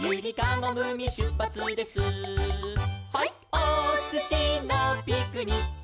おすしのピクニック」